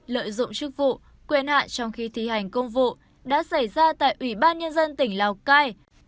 lợi dụng chức vụ quyền hạn trong khi thi hành công vụ đã xảy ra tại ủy ban nhân dân tỉnh lào cai